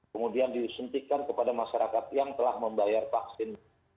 kemudian disuntikan kepada masyarakat yang telah membayar vaksin